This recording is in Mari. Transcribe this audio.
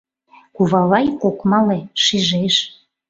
— Кувавай ок мале, шижеш...